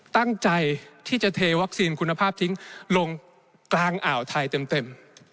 ตั้งใจที่จะเทวัคซีนคุณภาพทิ้งลงกลางอ่าวไทยเต็ม